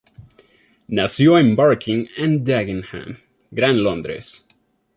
Nació en Barking and Dagenham, Gran Londres.